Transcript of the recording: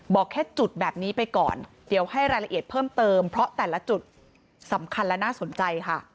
บอกแค่จุดแบบนี้ไปก่อนเดี๋ยวให้รายละเอียดเพิ่มเติมเพราะแต่ละจุดสำคัญและน่าสนใจค่ะ